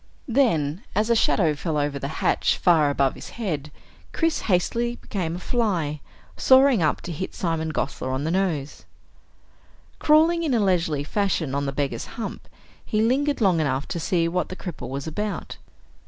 Then, as a shadow fell over the hatch far above his head, Chris hastily became a fly, soaring up to hit Simon Gosler on the nose. Crawling in a leisurely fashion on the beggar's hump, he lingered long enough to see what the cripple was about.